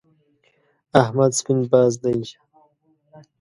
احمد سپين باز دی.